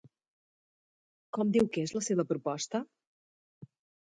Com diu que és la seva proposta?